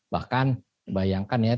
bahkan bayangkan ya